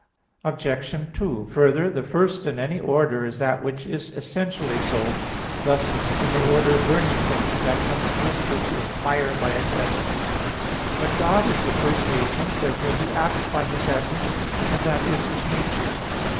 Obj. 2: Further, The first in any order is that which is essentially so, thus in the order of burning things, that comes first which is fire by its essence. But God is the first agent. Therefore He acts by His essence; and that is His nature.